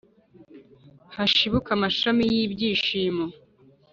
hashibuke amashami y’iby’ishimo